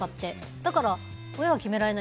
だから、親が決められない。